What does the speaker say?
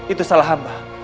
itu salah amba